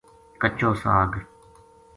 کچو ساگ